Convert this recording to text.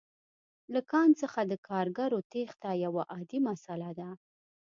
له کان څخه د کارګرو تېښته یوه عادي مسئله ده